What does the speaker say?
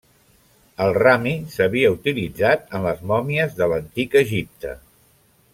El rami s'havia utilitzat en les mòmies de l'antic Egipte.